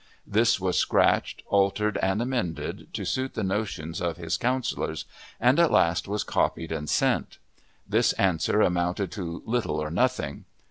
This was scratched, altered, and amended, to suit the notions of his counselors, and at last was copied and sent. This answer amounted to little or nothing.